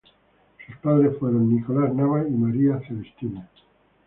Sus padres fueron Nicolás Nava y María Celestina.